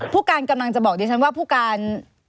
ผู้การกำลังจะบอกดิฉันว่าผู้การ